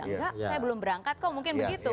enggak saya belum berangkat kok mungkin begitu